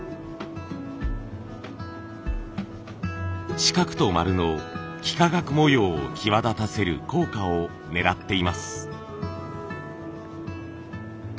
四角と丸の幾何学模様を際立たせる効果をねらっています。